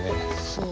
そう。